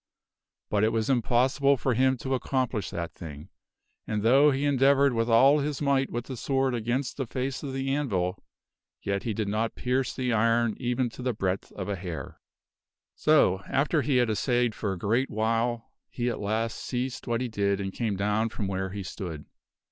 But it was impossible for him to accomplish that thing, and though he endeavored with all his might with the sword against the ARTHUR REPLACES THE SWORD 23 face of the anvil, yet did he not pierce the iron even to' the breadth of a hair. So, after he had thus assayed for a great while, he at last ceased what he did and came down from where he stood.